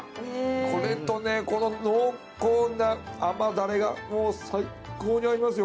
これとねこの濃厚な甘ダレがもう最高に合いますよ